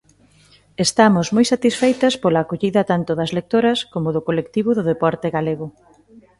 Estamos moi satisfeitas pola acollida tanto das lectoras como do colectivo do deporte galego.